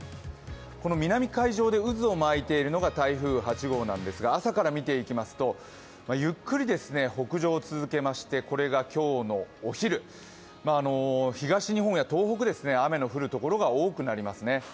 この南海上で渦を巻いているのが台風８号なんですが朝から見ていきますと、ゆっくり北上を続けましてこれが今日のお昼、東日本や東北、雨の降るところが多くなりますね。